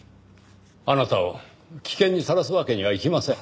あなたを危険にさらすわけにはいきません。